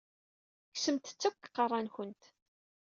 Kksemt-t akk seg iqeṛṛa-nkent!